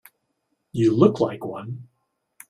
You look like one.